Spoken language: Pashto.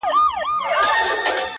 په خندا پاڅي په ژړا يې اختتام دی پيره،